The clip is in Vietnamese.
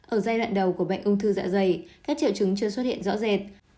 ở giai đoạn đầu của bệnh ung thư dạ dày các triệu chứng chưa xuất hiện rõ rệt